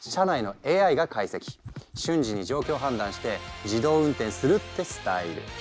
瞬時に状況判断して自動運転するってスタイル。